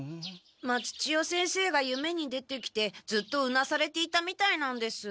松千代先生が夢に出てきてずっとうなされていたみたいなんです。